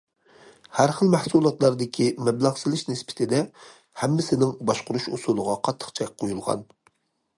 ھەر خىل مەھسۇلاتلاردىكى مەبلەغ سېلىش نىسبىتىدە، ھەممىسىنىڭ باشقۇرۇش ئۇسۇلىغا قاتتىق چەك قويۇلغان.